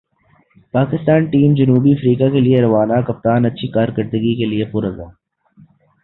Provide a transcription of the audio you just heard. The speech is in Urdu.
پاکستان ٹیم جنوبی افریقہ کیلئے روانہ کپتان اچھی کارکردگی کیلئے پر عزم